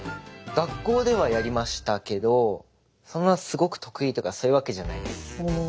学校ではやりましたけどそんなすごく得意とかそういうわけじゃないです。